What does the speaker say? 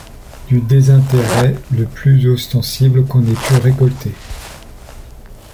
Du désintérêt le plus ostensible qu'on ait pu récolter.